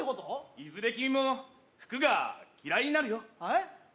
いずれ君も服が嫌いになるよはい？